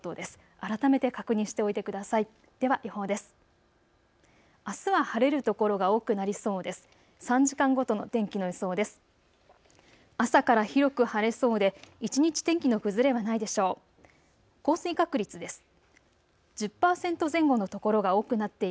改めて確認しておいてください。